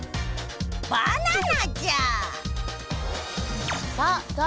バナナじゃ！